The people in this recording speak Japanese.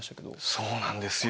そうなんですよ。